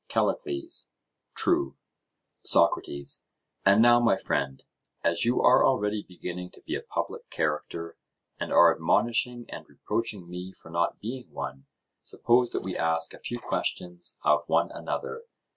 CALLICLES: True. SOCRATES: And now, my friend, as you are already beginning to be a public character, and are admonishing and reproaching me for not being one, suppose that we ask a few questions of one another.